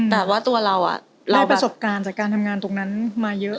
แต่ว่าตัวเราเล่าประสบการณ์จากการทำงานตรงนั้นมาเยอะ